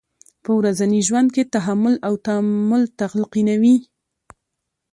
په ورځني ژوند کې تحمل او تامل تلقینوي.